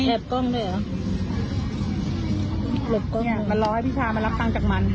กล้องด้วยเหรอหลบกล้องอ่ะมันรอให้พี่ชามารับตังค์จากมัน